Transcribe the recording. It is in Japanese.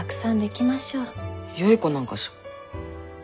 よい子なんかじゃ。